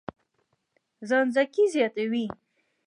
خانزادګۍ زياتوي